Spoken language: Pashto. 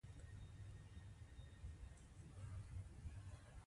ښځې د نارینه وو پرتله بدن بوی بدلوي.